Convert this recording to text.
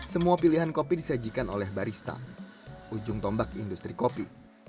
semua pilihan kopi disajikan oleh barista ujung tombak industri kopi